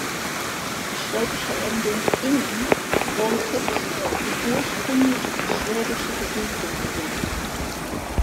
Die schwäbische Endung „-ingen“ deutet auf die ursprünglich schwäbische Besiedlung hin.